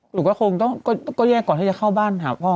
หนูก็คงต้องแยกก่อนที่จะเข้าบ้านหาพ่อ